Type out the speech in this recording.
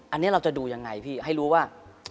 อันนี้เราจะดูยังไงพี่ให้รู้ว่า